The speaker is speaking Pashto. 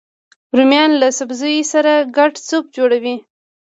رومیان له سبزیو سره ګډ سوپ جوړوي